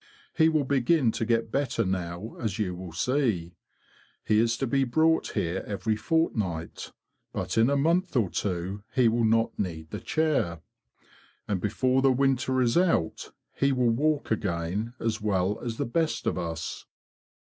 He will begin to get better now, as you will see. He is to be brought here every fortnight; but in a month or two he will not need the chair. And before the winter is out he will walk again as well as the best of us."